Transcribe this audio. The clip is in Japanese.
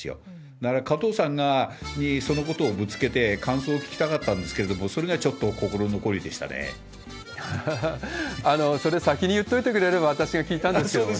だから加藤さんにそのことをぶつけて、感想を聞きたかったんですけれども、それがちょっと心残りでしたそれ、先に言っといてくれれば私が聞いたんですけれどもね。